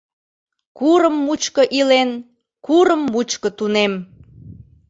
«Курым мучко илен, курым мучко тунем».